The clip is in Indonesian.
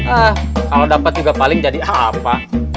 ah kalau dapat juga paling jadi apa